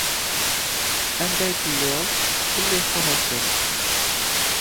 Anda ay telliḍ tettkellixeḍ-asent?